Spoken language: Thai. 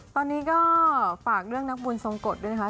ตอนนี้ก็ฝากเรื่องนักบุญทรงกฎด้วยนะคะ